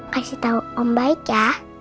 kasih tahu om baik ya